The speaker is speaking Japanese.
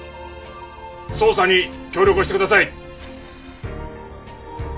捜査に協力してください。